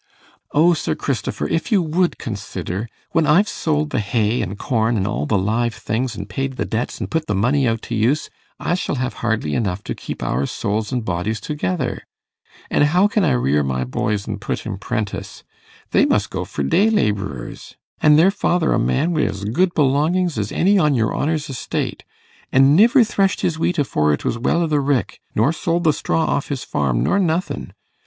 'O, Sir Christifer, if you would consider when I've sold the hay, an' corn, an' all the live things, an' paid the debts, an' put the money out to use, I shall have hardly enough to keep our souls an' bodies together. An' how can I rear my boys and put 'em 'prentice? They must go for dey labourers, an' their father a man wi' as good belongings as any on your honour's estate, an' niver threshed his wheat afore it was well i' the rick, nor sold the straw off his farm, nor nothin'.